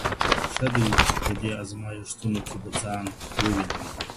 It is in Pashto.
ښه دی په دې ازمايښتونو کې به ځان ووينم